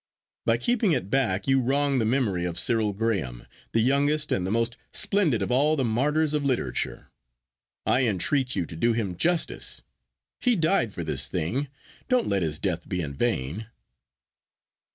By keeping it back you wrong the memory of Cyril Graham, the youngest and the most splendid of all the martyrs of literature. I entreat you to do him justice. He died for this thing,—don't let his death be in vain.